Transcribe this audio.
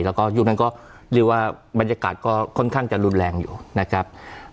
แล้วก็ยุคนั้นก็เรียกว่าบรรยากาศก็ค่อนข้างจะรุนแรงอยู่นะครับ